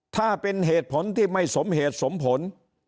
ถ้าเป็นเหตุผลที่ไม่สมเหตุสมผล